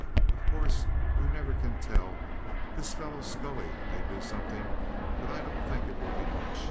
"Of course you never can tell. This fellow Scully may do something, but I don't think it will be much.